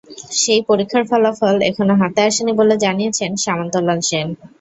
সেই পরীক্ষার ফলাফল এখনো হাতে আসেনি বলে জানিয়েছেন সামন্ত লাল সেন।